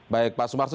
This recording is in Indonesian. baik pak sumarso